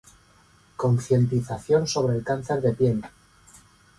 Concientización sobre el cáncer de piel